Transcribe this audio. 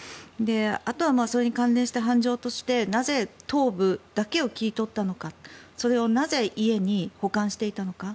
あとはそれに関連した犯情としてなぜ頭部だけを切り取ったのかそれをなぜ家に保管していたのか。